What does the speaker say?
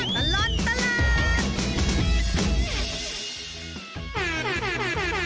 ช่วงตลอดตลาด